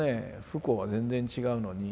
不幸は全然違うのに。